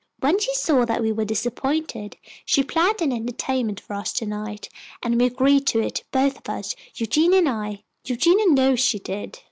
When she saw that we were disappointed, she planned an entertainment for us to night, and we agreed to it, both of us, Eugenia and I. Eugenia knows she did."